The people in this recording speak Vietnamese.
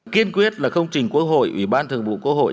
kiên quyết là không trình quốc hội ủy ban thường vụ quốc hội